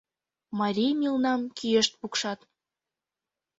Марий мелнам кӱэшт пукшат.